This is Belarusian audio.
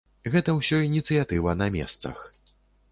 Гэта ўсё ініцыятыва на месцах.